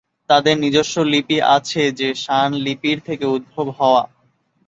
তাঁদের নিজস্ব লিপি আছে যে শান লিপির থেকে উদ্ভব হওয়া।